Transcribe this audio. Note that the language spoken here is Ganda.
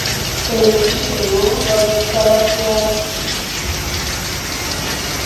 Emuti guno baguyita batya?